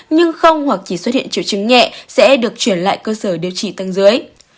nhưng không hoặc chỉ xuất hiện triệu chứng nhẹ sẽ được chuyển lại cơ sở điều trị tăng dưới